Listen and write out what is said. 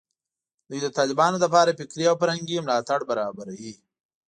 دوی د طالبانو لپاره فکري او فرهنګي ملاتړ برابروي